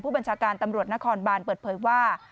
บัญชาการตำรวจนครบานเปิดเผยว่า